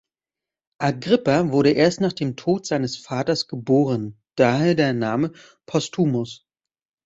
Agrippa wurde erst nach dem Tod seines Vaters geboren, daher der Name „Postumus“.